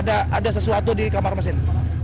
ada sesuatu di kamar mesin